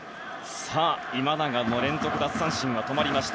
今永の連続奪三振は止まりました